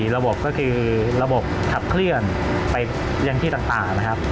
๔ระบบขับเคลื่อนในที่ต่าง